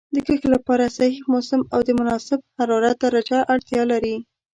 د کښت لپاره صحیح موسم او د مناسب حرارت درجه اړتیا لري.